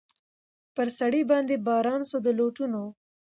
پر سړي باندي باران سو د لوټونو